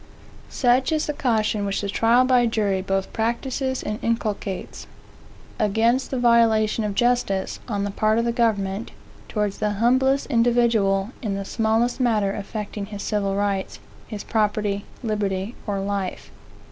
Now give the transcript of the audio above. Such is the caution which the trial by jury both practises and inculcates, against the violation of justice, on the part of the government, towards the humblest individual, in the smallest matter affecting his civil rights, his property, liberty, or life.